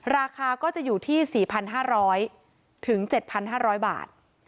ราคาก็จะอยู่ที่๔๕๐๐๗๕๐๐บาท